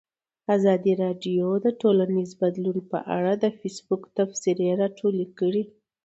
ازادي راډیو د ټولنیز بدلون په اړه د فیسبوک تبصرې راټولې کړي.